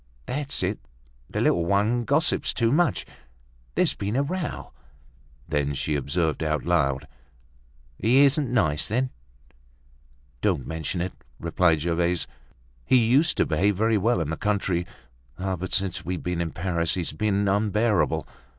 "That's it, the little one gossips too much. There's been a row." Then, she observed out loud, "He isn't nice, then?" "Don't mention it!" replied Gervaise. "He used to behave very well in the country; but, since we've been in Paris, he's been unbearable.